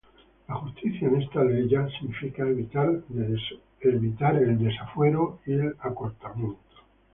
La Justicia en esta aleya significa; evitar de desafuero y acortamiento.